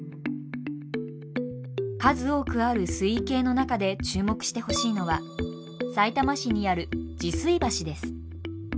数多くある水位計の中で注目してほしいのはさいたま市にある治水橋です。